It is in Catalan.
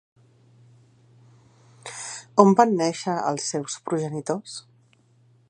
On van néixer els seus progenitors?